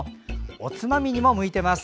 おつまみにも向いています。